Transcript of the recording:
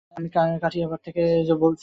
আমি কাঠিয়াবাড় থেকে।